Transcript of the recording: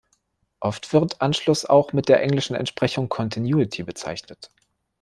Oft wird Anschluss auch mit der englischen Entsprechung Continuity bezeichnet.